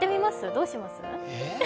どうします？え？